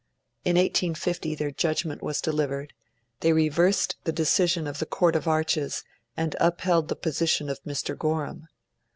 In 1850 their judgment was delivered; they reversed the decision of the Court of Arches, and upheld the position of Mr. Gorham.